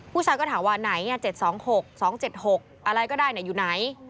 ผู้ชายก็ถามว่าไหน๗๒๖๒๗๖อะไรก็ได้อยู่ไหน